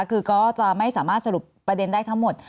คือก็จะไม่สามารถสรุปประเด็นได้ทั้งหมด